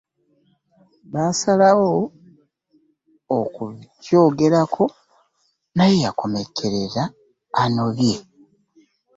Baasalawo okukyogerako naye yakomekkerera annobye.